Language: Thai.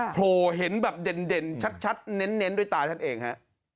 โผล่เห็นแบบเด่นชัดเน้นด้วยตาท่านเองฮะ